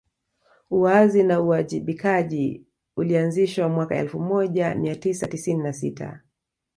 Uwazi na uwajibikaji ulianzishwa mwaka elfu moja Mia tisa tisini na sita